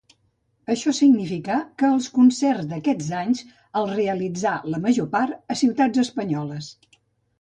Això significà que els concerts d'aquests anys els realitzà, la major part, a ciutats espanyoles.